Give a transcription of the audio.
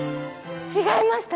違いました